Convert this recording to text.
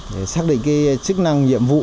để xác định cái chức năng nhiệm vụ